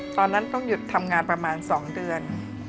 ตอนนั้นต้องหยุดทำงานประมาณ๒เดือน